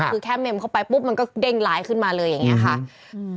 คือแค่เมมเข้าไปปุ๊บมันก็เด้งไลน์ขึ้นมาเลยอย่างนี้ค่ะ